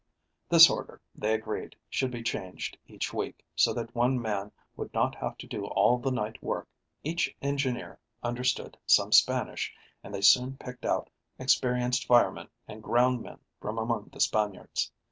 This order, they agreed, should be changed each week, so that one man would not have to do all the night work. Each engineer understood some Spanish, and they soon picked out experienced firemen and ground men from among the Spaniards.